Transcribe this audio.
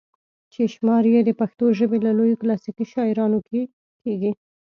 چې شمار ئې د پښتو ژبې پۀ لويو کلاسيکي شاعرانو کښې کيږي